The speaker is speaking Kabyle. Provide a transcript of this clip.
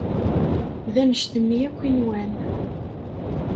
D anect-nni akk i nwan.